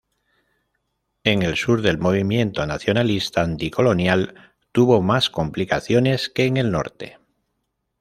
En el sur el movimiento nacionalista anticolonial tuvo más complicaciones que en el norte.